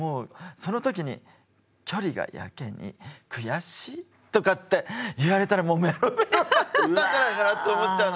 その時に距離がやけに悔しいとかって言われたらもうメロメロになっちゃったんじゃないかなって思っちゃうの。